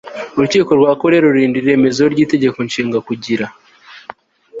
urukiko rwa koreya rurinda iremezo ry itegeko nshinga kugira